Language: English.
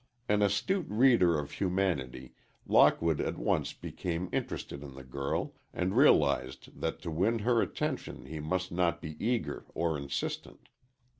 An astute reader of humanity, Lockwood at once became interested in the girl, and realized that to win her attention he must not be eager or insistent.